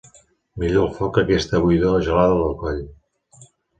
Millor el foc que aquesta buidor gelada de coll.